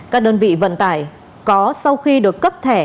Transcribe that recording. các đơn vị vận tải có sau khi được cấp thẻ